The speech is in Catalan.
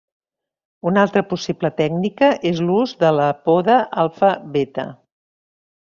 Una altra possible tècnica és l'ús de la poda alfa-beta.